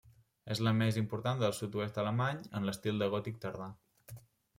És la més important del sud-oest alemany en l'estil de gòtic tardà.